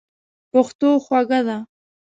پښتو خوږه ده.